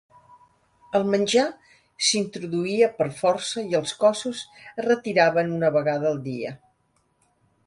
El menjar s'introduïa per força i els cossos es retiraven una vegada al dia.